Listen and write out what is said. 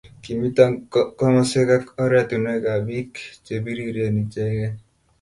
kimito komoswek ak ortinwekab biik che biriren ichekei